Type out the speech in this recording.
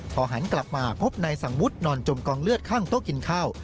พอหันกลับมาพบนายสังวุฒินอนจมกองเลือดข้างโต๊ะกินข้าว